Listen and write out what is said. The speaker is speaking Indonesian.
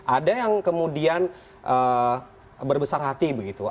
ada yang kemudian berbesar hati begitu